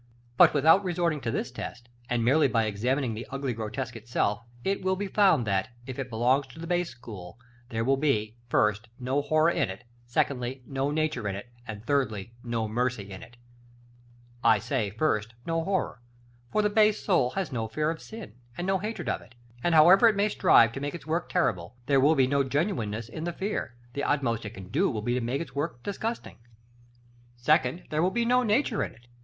But, without resorting to this test, and merely by examining the ugly grotesque itself, it will be found that, if it belongs to the base school, there will be, first, no Horror in it; secondly, no Nature in it; and, thirdly, no Mercy in it. § LVI. I say, first, no Horror. For the base soul has no fear of sin, and no hatred of it: and, however it may strive to make its work terrible, there will be no genuineness in the fear; the utmost it can do will be to make its work disgusting. Secondly, there will be no Nature in it.